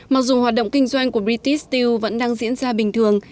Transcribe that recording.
mặc dù hoạt động kinh doanh của britis steel vẫn đang diễn ra bình thường